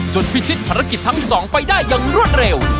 พิชิตภารกิจทั้งสองไปได้อย่างรวดเร็ว